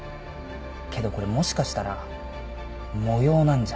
けどこれもしかしたら模様なんじゃ。